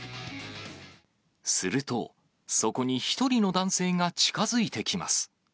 すると、そこに１人の男性が近づいてきます。